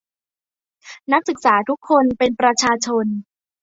นักศึกษาทุกคนเป็นประชาชน